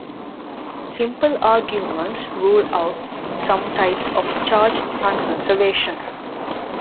Simple arguments rule out some types of charge nonconservation.